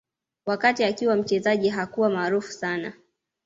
Wakati akiwa mchezaji hakuwa maarufu sana